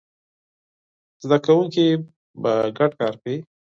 زده کوونکي به ګډ کار کوي.